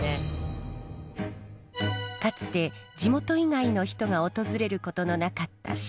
かつて地元以外の人が訪れることのなかった尻無川河川敷。